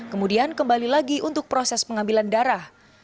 kemudian kembali lagi untuk proses pengambilan darah